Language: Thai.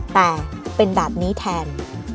แต่เป็นแบบนี้แทน